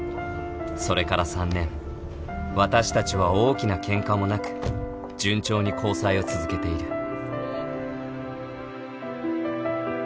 それから３年私たちは大きなケンカもなく順調に交際を続けている